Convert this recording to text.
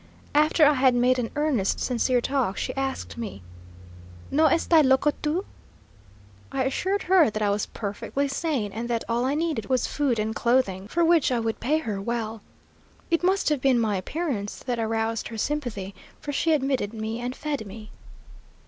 After I had made an earnest sincere talk she asked me, 'No estay loco tu?' I assured her that I was perfectly sane, and that all I needed was food and clothing, for which I would pay her well. It must have been my appearance that aroused her sympathy, for she admitted me and fed me.